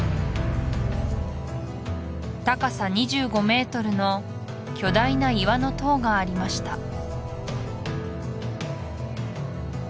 高さ２５ｍの巨大な岩の塔がありました